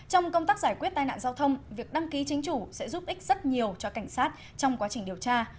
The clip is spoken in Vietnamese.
trong công tác giải quyết tai nạn giao thông việc đăng ký chính chủ sẽ giúp ích rất nhiều cho cảnh sát trong quá trình điều tra